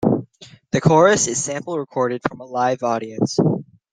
The chorus is sample recorded from a live audience.